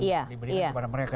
diberikan kepada mereka